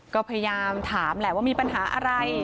ก็พยายามถามแหละว่ามีปัญหาอะไร